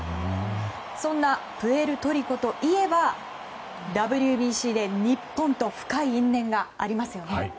そんなプエルトリコといえばＷＢＣで日本と深い因縁がありましたね。